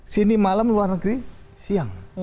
sini malam luar negeri siang